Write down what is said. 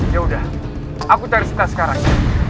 yaudah aku cari sinta sekarang